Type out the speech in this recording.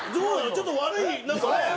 ちょっと悪いなんかね。